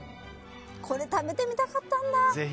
これ、食べてみたかったんだ。